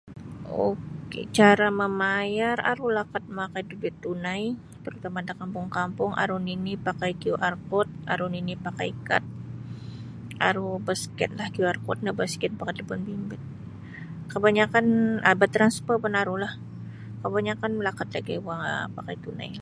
Ok cara mamayar aru lakat mamakai da duit tunai tarutama' da kampung-kampung aru nini' pakai qiu ar kod aru nini' pakai kad aru baskinlah qiu ar kod no baskin pakai talipon bimbit kabanyakan um batransfer pun arulah kabanyakan lakat lagi um pakai tunai.